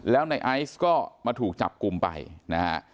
แล้วในไอซ์ก็มาถูกจับกลุ่มไปนะฮะ